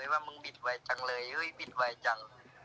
ว่ามึงบิดไวจังเลยบิดไวจัง